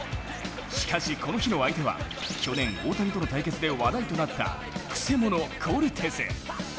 しかしこの日の相手は去年、大谷との対決で話題となったくせ者、コルテス。